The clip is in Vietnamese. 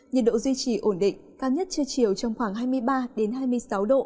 nhiệt độ duy trì ổn định cao nhất trưa chiều trong khoảng hai mươi ba hai mươi sáu độ